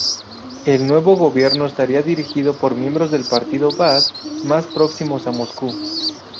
El nuevo gobierno estaría dirigido por miembros del Partido Baaz, más próximos a Moscú.